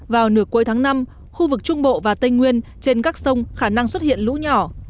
vào nửa cuối tháng năm khu vực trung bộ và tây nguyên trên các sông khả năng xuất hiện lũ nhỏ